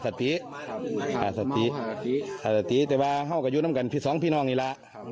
สัตวิตภาพแบบราอยุ่นกันพี่๒พี่น้องอย่างนี้ละ